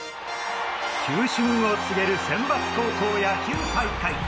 球春を告げる選抜高校野球大会！